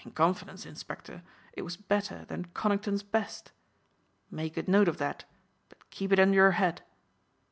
In confidence, inspector, it was better than Conington's best. Make a note of that but keep it under your hat."